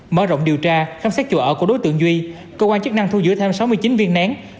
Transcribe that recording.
mở rộng điều tra khám xét chỗ ở của đối tượng duy cơ quan chức năng thu giữ thêm sáu mươi chín viên nén